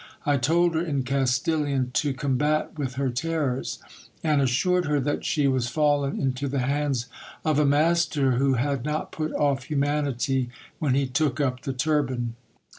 I told her, in Castilian, to combat with her terrors : and assured her that she was fallen into the hands of a master who had not put off humanity when he took up the turban.